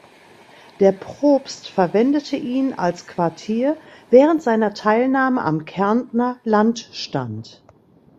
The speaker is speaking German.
Der Propst verwendete ihn als Quartier während seiner Teilnahme am Kärntner Landstand.